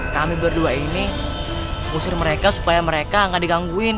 kami berdua ini usir mereka supaya mereka nggak digangguin